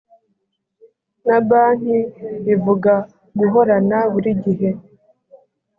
na banki bivuga guhorana buri gihe